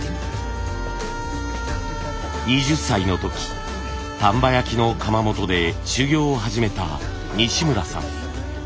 ２０歳の時丹波焼の窯元で修業を始めた西村さん。